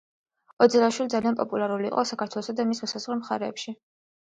ოძელაშვილი ძალიან პოპულარული იყო საქართველოსა და მის მოსაზღვრე მხარეში.